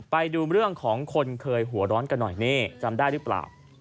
ไปดูเรื่องของคนเคยหัวร้อนกันหน่อยนี่จำได้หรือเปล่า